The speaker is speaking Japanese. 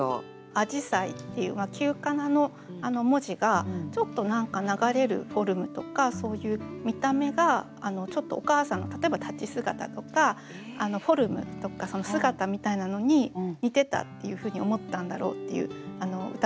「あぢさゐ」っていう旧仮名の文字がちょっと何か流れるフォルムとかそういう見た目がちょっとお母さんの例えば立ち姿とかフォルムとか姿みたいなのに似てたっていうふうに思ったんだろうっていう歌だと思いました。